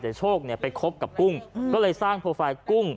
แต่โชกไปคบกับกุ้งก็เลยสร้างโพลไฟล์กุ้ง